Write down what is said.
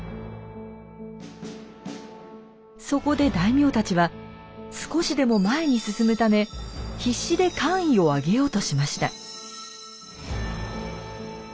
そこで大名たちは少しでも前に進むため必死で官位を上げようとしました。